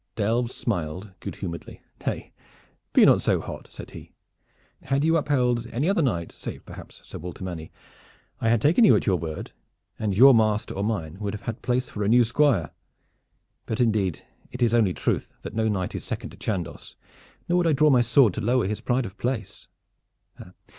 Delves smiled good humoredly. "Nay, be not so hot," said he. "Had you upheld any other knight, save perhaps Sir Walter Manny, I had taken you at your word, and your master or mine would have had place for a new Squire. But indeed it is only truth that no knight is second to Chandos, nor would I draw my sword to lower his pride of place.